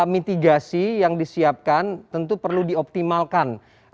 mitigasi yang disiapkan tentu perlu dioptimalkan